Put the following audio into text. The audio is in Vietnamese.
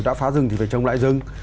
đã phá rừng thì phải trông lại rừng